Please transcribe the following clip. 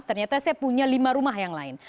ternyata saya punya lima rumah yang lain